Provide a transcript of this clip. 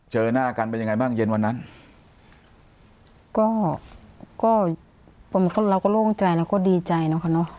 เจอหน้ากันเป็นยังไงบ้างเย็นวันนั้นก็ก็เราก็โล่งใจเราก็ดีใจเนอะค่ะเนอะ